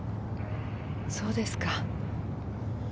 そうですか。